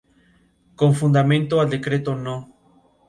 Con fundamento al decreto no.